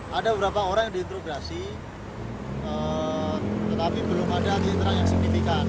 ada beberapa orang yang diintrograsi tetapi belum ada titik terang yang signifikan